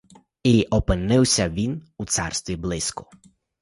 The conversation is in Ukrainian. І опинився він у царстві блиску.